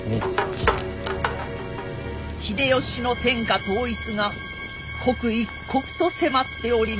秀吉の天下統一が刻一刻と迫っておりました。